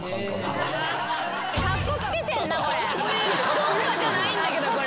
コンパじゃないんだけどこれ。